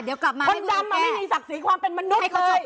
คนดำมันไม่มีศักดิ์ศรีความเป็นมนุษย์เลย